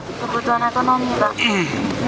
kebutuhan ekonomi pak